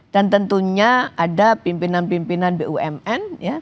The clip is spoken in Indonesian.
dan tentunya ada pimpinan pimpinan bumn